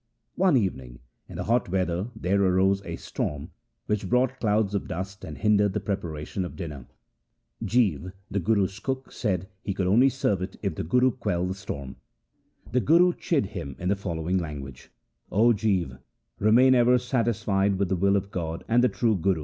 One evening in the hot weather there arose a storm which brought clouds of dust and hindered the preparation of dinner. Jiva, the Guru's cook, said he could only serve it if the Guru quelled the storm. The Guru chid him in the following lan guage :' O Jiva, remain ever satisfied with the will of God and the true Guru.